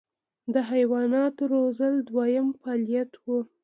د حیواناتو روزل دویم فعالیت و.